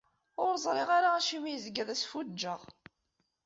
Ur ẓriɣ ara acimi yezga d asfuǧǧeɣ?